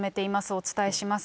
お伝えします。